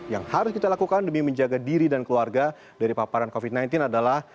yang harus kita lakukan demi menjaga diri dan keluarga dari paparan covid sembilan belas adalah